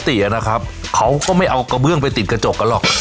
ปกตินะครับเขาก็ไม่เอากระเบื้องไปติดกระจกกันหรอก